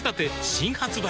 新発売